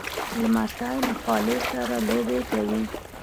لمسی له خالې سره لوبې کوي.